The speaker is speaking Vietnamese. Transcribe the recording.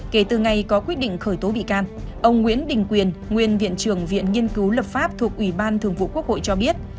kể từ ngày có quyết định khởi tố bị can ông nguyễn đình quyền nguyên viện trưởng viện nghiên cứu lập pháp thuộc ủy ban thường vụ quốc hội cho biết